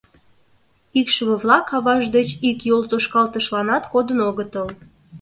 Икшыве-влак авашт деч ик йолтошкалтышланат кодын огытыл.